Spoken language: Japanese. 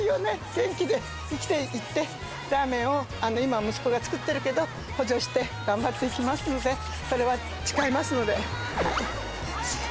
元気で生きていって、ラーメンを今、息子が作ってるけど、補助して頑張っていきますので、それは誓いますので。